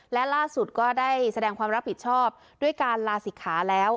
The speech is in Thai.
และล่าสุดก็ได้แสดงความรับผิดชอบด้วยการลาศิกขาแล้ว